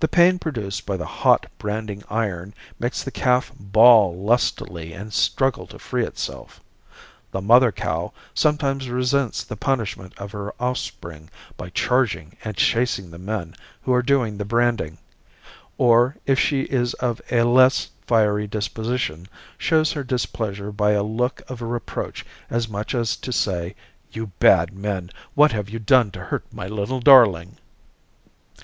The pain produced by the hot branding iron makes the calf bawl lustily and struggle to free itself. The mother cow sometimes resents the punishment of her offspring by charging and chasing the men who are doing the branding; or, if she is of a less fiery disposition, shows her displeasure by a look of reproach as much as to say, "You bad men, what have you done to hurt my little darling?"